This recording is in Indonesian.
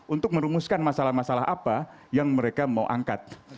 untuk merumuskan masalah masalah apa yang mereka mau angkat